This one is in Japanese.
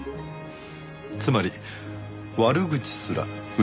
つまり悪口すら嬉しい？